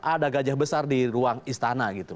ada gajah besar di ruang istana gitu